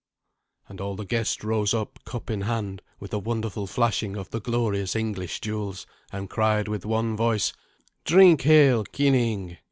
And all the guests rose up, cup in hand, with a wonderful flashing of the glorious English jewels, and cried with one voice, "Drinc hael, Cyning!"